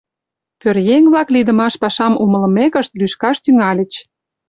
Пӧръеҥ-влак лийдымаш пашам умылымекышт лӱшкаш тӱҥальыч.